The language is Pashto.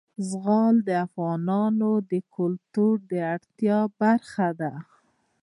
زغال د افغانانو د ګټورتیا برخه ده.